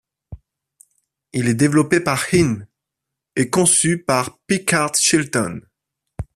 Il est développé par Hines et conçu par Pickard Chilton.